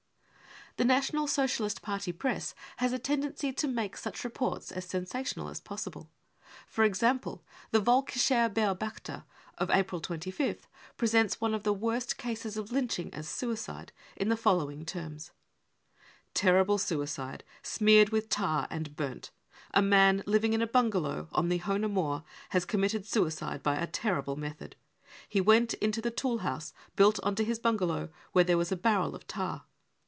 9 ' The National Socialist Party Press has a tendency to make such reports as sensational as possible. For example, the Volkischer Beobachter of April 25th presents one of the worst cases of lynching as suicide, in the following terms :" Terrible suicide : smeared with tar and burnt. A man living in a bungalow on tlie Honer Moor has committed suicide by a terrible method. Pie went into the tool house built on to his bungalow, where there was a barrel of tar.